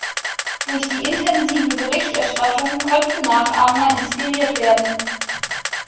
Durch die intensive Berichterstattung könnten Nachahmer inspiriert werden.